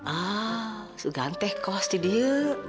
ah su ganteng kos di dia